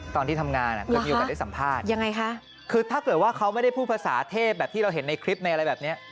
ตอนที่ทำงานเพื่อมีโอกาสได้สัมภาษณ์ยังไงคะคือถ้าเกิดว่าเขาไม่ได้พูดภาษาเทพแบบที่เราเห็นในคลิปในอะไรแบบเนี้ย